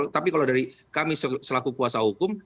tapi kalau dari kami selaku puasa hukum